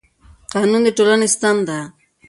قانون د ټولنې ستن ده